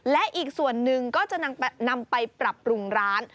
และอีกส่วนหนึ่งก็จะนำไปปรับปรุงร้าน